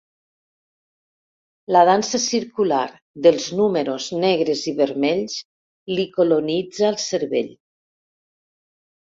La dansa circular dels números negres i vermells li colonitza el cervell.